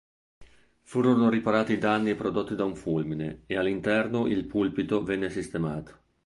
Furono riparati i danni prodotti da un fulmine e all'interno il pulpito venne sistemato.